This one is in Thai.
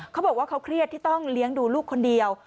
เขาบอกว่าเขาเครียดที่ต้องเลี้ยงดูลูกคนเดียว